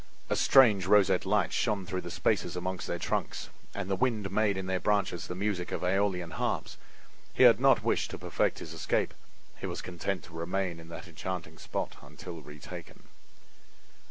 A strange roseate light shone through the spaces among their trunks and the wind made in their branches the music of AEolian harps. He had not wish to perfect his escape—he was content to remain in that enchanting spot until retaken.